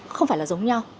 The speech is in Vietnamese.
không phải là giống nhau